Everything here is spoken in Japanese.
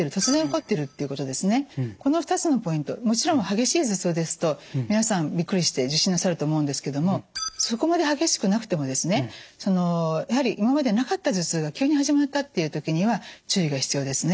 もちろん激しい頭痛ですと皆さんびっくりして受診なさると思うんですけどもそこまで激しくなくてもですねやはり今までなかった頭痛が急に始まったっていう時には注意が必要ですね。